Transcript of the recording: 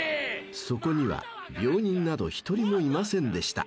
［そこには病人など１人もいませんでした］